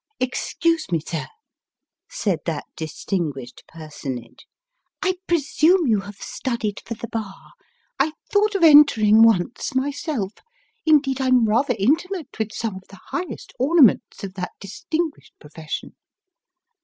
"Excuse me, sir," said that distinguished personage, "I presume you have studied for the bar ? I thought of entering once, myself indeed, I'm rather intimate with some of the highest ornaments of that distinguished profession.